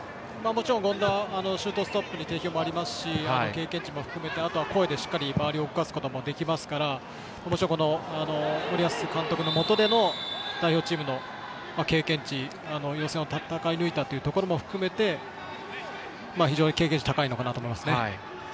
もちろん、権田シュートストップに定評があり経験値も含めてあとは声でしっかり周りを動かすこともできますから森保監督のもとでの代表チームでの経験値予選を戦い抜いたというところも含めて非常に経験値が高いと思います。